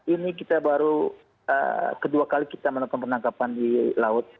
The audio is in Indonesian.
ini kita baru kedua kali kita melakukan penangkapan di laut